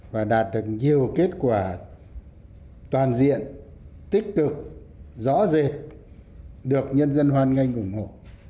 và đạt được nhiều kết quả toàn diện tích cực rõ rệt được nhân dân hoan nghênh ủng hộ